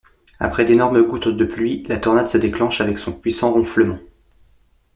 Après d'énormes gouttes de pluie, la tornade se déclenche avec son puissant ronflement.